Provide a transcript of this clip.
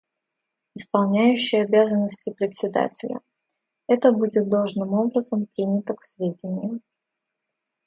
Исполняющий обязанности Председателя: Это будет должным образом принято к сведению.